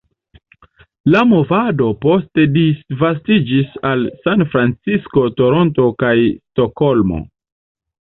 La movado poste disvastiĝis al Sanfrancisko, Toronto, kaj Stokholmo.